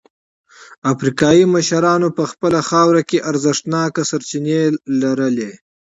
افریقايي مشرانو په خپله خاوره کې ارزښتناکې سرچینې لرلې.